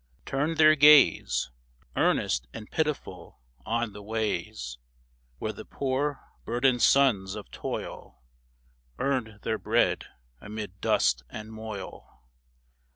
Turned their gaze, Earnest and pitiful, on the ways Where the poor, burdened sons of toil Earned their bread amid dust and moil.